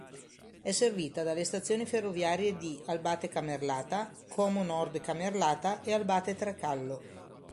È servita dalle stazioni ferroviarie di Albate-Camerlata, Como Nord-Camerlata e Albate-Trecallo.